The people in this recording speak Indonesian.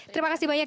terima kasih banyak